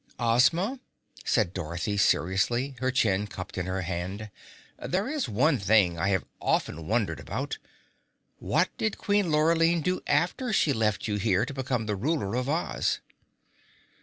"Ozma," said Dorothy seriously, her chin cupped in her hand, "there is one thing I have often wondered about. What did Queen Lurline do after she left you here to become the Ruler of Oz?"